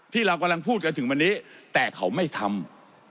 ที่เรากำลังพูดกันถึงวันนี้แต่เขาไม่ทำ